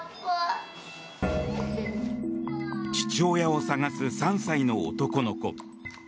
父親を捜す３歳の男の子。